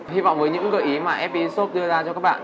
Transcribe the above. hy vọng với những gợi ý mà fpg soap đưa ra cho các bạn